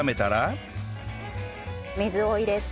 水を入れて。